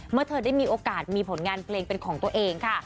เมื่อเธอได้มีโอกาสมีผลงานเพลงเป็นของตัวเองค่ะ